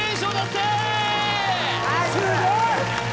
すごい！